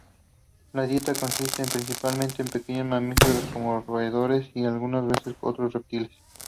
La dieta consiste principalmente de pequeños mamíferos, como roedores, y algunas veces otros reptiles.